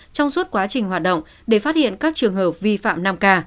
trong suốt quá trình hoạt động để phát hiện các trường hợp vi phạm năm k